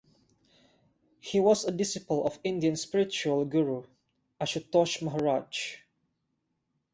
He was a disciple of Indian spiritual guru Ashutosh Maharaj.